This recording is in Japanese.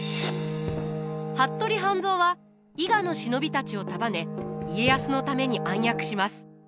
服部半蔵は伊賀の忍びたちを束ね家康のために暗躍します。